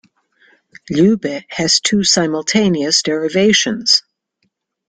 "Lyube" has two simultaneous derivations.